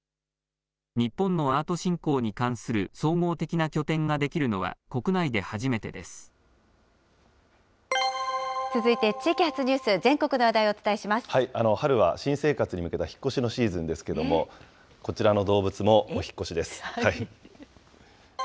日本のアート振興に関する総合的な拠点が出来るのは国内で初めて続いて地域発ニュース、全国春は新生活に向けた引っ越しのシーズンですけれども、こちらの動物もお引っ越しです。